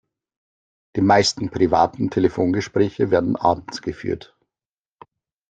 Die meisten privaten Telefongespräche werden abends geführt.